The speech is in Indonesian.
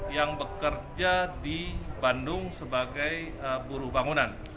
yang bekerja di bandung sebagai buruh bangunan